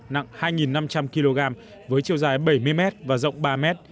nặng hai năm trăm linh kg với chiều dài bảy mươi m và rộng ba m